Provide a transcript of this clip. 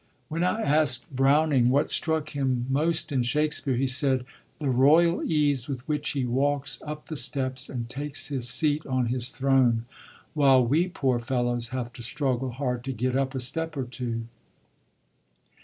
i68 SHAKSPERE'S MANY SIDEDNESS most in Shakspere, he said: ''The royal ease with which he walks up the steps and takes his seat on his throne, while we poor fellows have to struggle hard to get up a step or two."